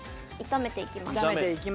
炒めて行きます。